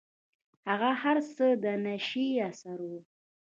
هغه هر څه د نيشې اثر و.